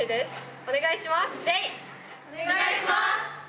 お願いします。